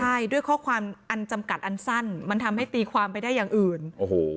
ใช่ด้วยข้อความอันจำกัดอันสั้นมันทำให้ตีความไปได้อย่างอื่นโอ้โห